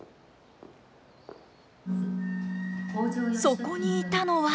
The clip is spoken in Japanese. そこにいたのは。